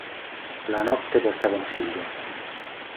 La notte porta consiglio.